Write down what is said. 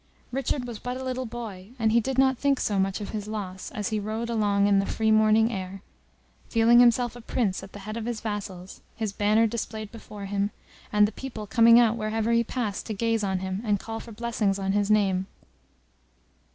Richard was but a little boy, and he did not think so much of his loss, as he rode along in the free morning air, feeling himself a Prince at the head of his vassals, his banner displayed before him, and the people coming out wherever he passed to gaze on him, and call for blessings on his name.